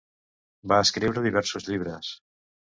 Va escriure diversos llibres.